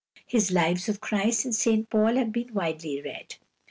His lives of Christ and of St Paul have been widely read.